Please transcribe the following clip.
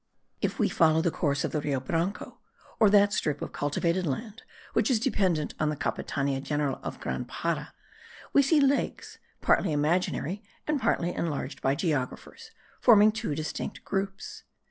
If we follow the course of the Rio Branco, or that strip of cultivated land which is dependent on the Capitania General of Grand Para, we see lakes, partly imaginary and partly enlarged by geographers, forming two distinct groups.